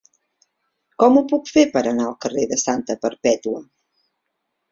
Com ho puc fer per anar al carrer de Santa Perpètua?